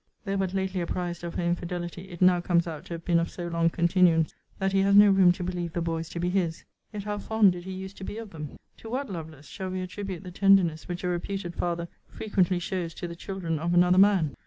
Though but lately apprized of her infidelity, it now comes out to have been of so long continuance, that he has no room to believe the boys to be his: yet how fond did he use to be of them! To what, Lovelace, shall we attribute the tenderness which a reputed father frequently shows to the children of another man?